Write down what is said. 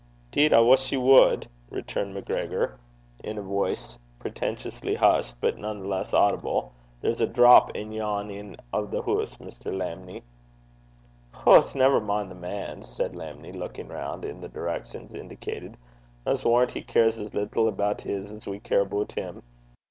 ''Deed I wuss ye wad,' returned MacGregor, in a voice pretentiously hushed, but none the less audible. 'There's a drap in yon en' o' the hoose, Mr. Lammie.' 'Hoot! never min' the man,' said Lammie, looking round in the direction indicated. 'I s' warran' he cares as little aboot hiz as we care aboot him.